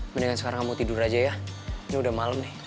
mendingan sekarang kamu tidur aja ya ini udah malam nih